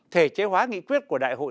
thể chế hóa nghị quyết của đại hội